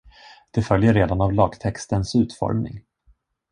Det följer redan av lagtextens utformning.